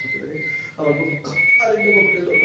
আমার আরেকটা ককটেল দরকার!